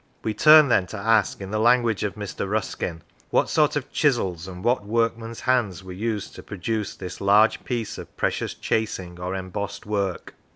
We turn then to ask, in the language of Mr. Ruskin, what sort of chisels, and what workman's hands, were used to produce this large piece of precious chasing or embossed work.